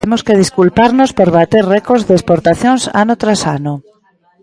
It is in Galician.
Temos que desculparnos por bater récords de exportacións ano tras ano.